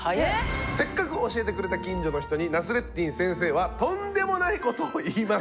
せっかく教えてくれた近所の人にナスレッディン先生はとんでもないことを言います。